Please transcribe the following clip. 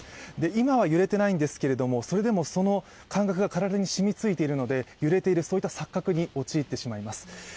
今は揺れていないんですけれども、それでもその感覚が体に染みついているので揺れている、そういった錯覚に陥ってしまいます。